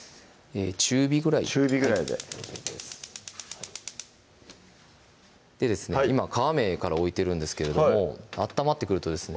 中火ぐらい中火ぐらいで今皮目から置いてるんですけれども温まってくるとですね